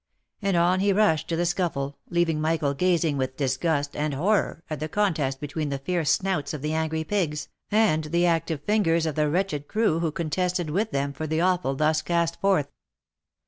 And on he rushed to the scuffle, leaving Michael gazing with disgust and horror at the contest between the fierce snouts of the angry pigs, and the active fingers of the wretched crew who contested with them for the offal thus cast forth.